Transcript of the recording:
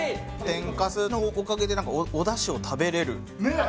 天かすのおかげで何かお出汁を食べれるねっ！